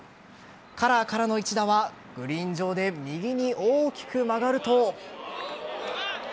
カラーからの一打はグリーン上で右に大きく曲がると。